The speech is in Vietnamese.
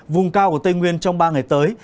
vùng cao của tây nguyên trong ba ngày tới